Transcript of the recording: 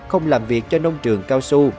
không làm việc cho nông trường cao su